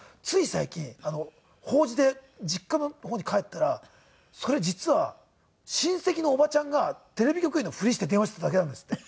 最近法事で実家の方に帰ったらそれ実は親戚のおばちゃんがテレビ局員のふりして電話していただけなんですって。